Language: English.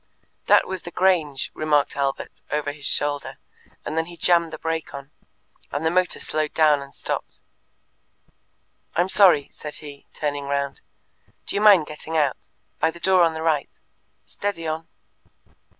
That was the Grange, remarked Albert, over his shoulder, and then he jammed the brake on, and the motor slowed down and stopped. "I'm sorry," said he, turning round. "Do you mind getting out by the door on the right? Steady on!"